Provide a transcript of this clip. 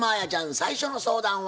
最初の相談は？